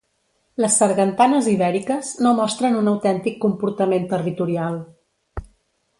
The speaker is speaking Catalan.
Les sargantanes ibèriques no mostren un autèntic comportament territorial.